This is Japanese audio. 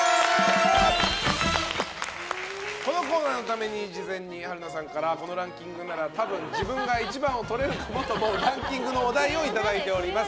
このコーナーのために事前に春菜さんからこのランキングなら多分自分が１番をとれるかもと思うランキングのお題をいただいております。